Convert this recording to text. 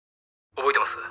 覚えてます？